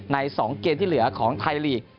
ใน๒เกมที่เหลือของไทยลีก